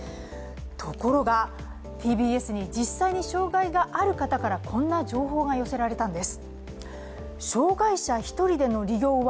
ところが、ＴＢＳに実際に障害がある方からこんな情報が寄せられたんです。